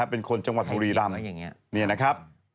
เป็นคนจังหวัดบุรีรำนี่นะครับ